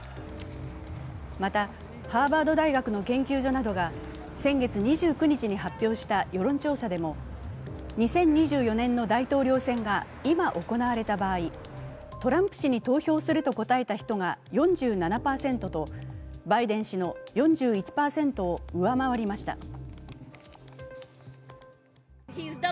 またハーバード大学の研究所などが先月２９日に発表した世論調査でも２０２４年の大統領選が今行われた場合、トランプ氏に投票すると答えた人が４７％とバイデン氏の４１％を上回りました。